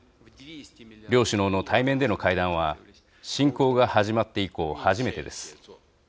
両首脳の対面での会談は侵攻が始まって以降、初めてです。